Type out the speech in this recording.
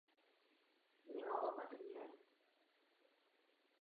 Do amerických kin byl uveden nedlouho poté.